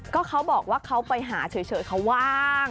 ก็เขาบอกว่าเขาไปหาเฉยเขาว่าง